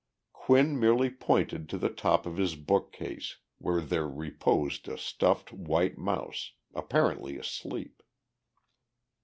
Quinn merely pointed to the top of his bookcase, where there reposed a stuffed white mouse, apparently asleep.